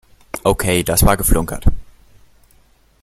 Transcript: Okay, das war geflunkert.